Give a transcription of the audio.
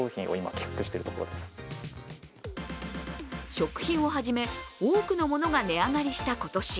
食品をはじめ多くのものが値上がりした今年。